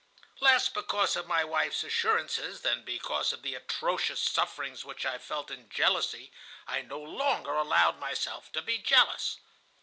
Less because of my wife's assurances than because of the atrocious sufferings which I felt in jealousy, I no longer allowed myself to be jealous.